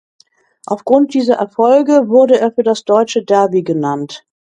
Aufgrund dieser Erfolge wurde er für das Deutsche Derby genannt.